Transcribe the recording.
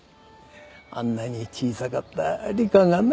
あんなに小さかった理花がな。